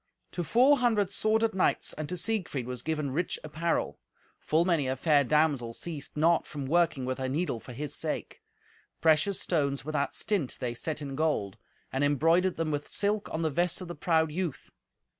To four hundred sworded knights and to Siegfried was given rich apparel. Full many a fair damsel ceased not from working with her needle for his sake. Precious stones without stint they set in gold, and embroidered them with silk on the vest of the proud youth.